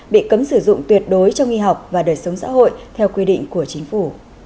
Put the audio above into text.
bị cấm sử dụng tuyệt đối trong y học và đời sống xã hội theo quy định của chính phủ